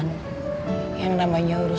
ini yang realise buat abah